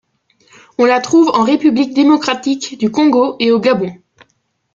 On la trouve en République démocratique du Congo et au Gabon.